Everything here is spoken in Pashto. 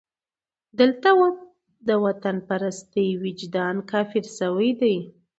دلته د وطنپرستۍ وجدان کافر شوی دی.